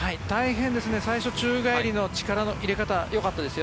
最初、宙返りの力の入れ方よかったですよ。